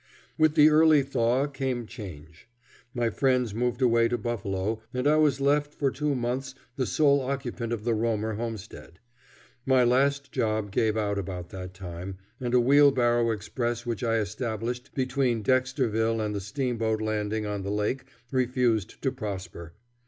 With the early thaw came change. My friends moved away to Buffalo, and I was left for two months the sole occupant of the Romer homestead. My last job gave out about that time, and a wheelbarrow express which I established between Dexter ville and the steamboat landing on the lake refused to prosper.